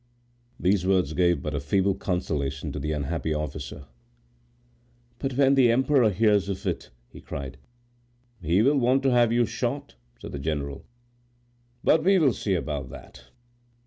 These words gave but a feeble consolation to the unhappy officer. "But when the emperor hears of it!" he cried. "He will want to have you shot," said the general; "but we will see about that.